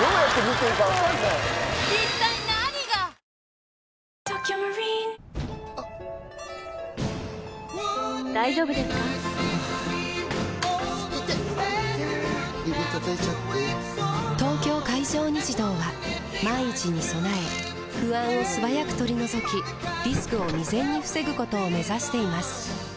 指たたいちゃって・・・「東京海上日動」は万一に備え不安を素早く取り除きリスクを未然に防ぐことを目指しています